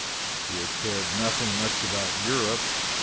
We had cared nothing much about Europe.